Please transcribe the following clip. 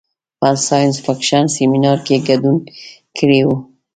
په ساینس فکشن سیمنار کې ګډون کړی و.